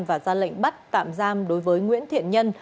và ra lệnh bắt tạm giam đối với nguyễn thiện nhân